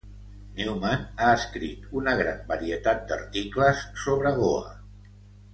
Newman ha escrit una gran varietat d'articles sobre Goa.